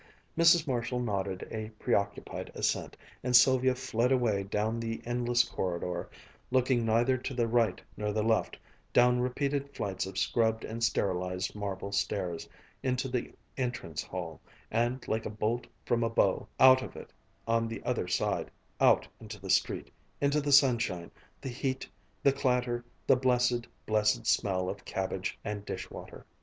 Mrs. Marshall nodded a preoccupied assent, and Sylvia fled away down the endless corridor, looking neither to the right nor the left, down repeated flights of scrubbed and sterilized marble stairs, into the entrance hall, and, like a bolt from a bow, out of it on the other side, out into the street, into the sunshine, the heat, the clatter, the blessed, blessed smell of cabbage and dish water....